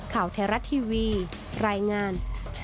ข่าวเทราะห์ทีวีรายงาน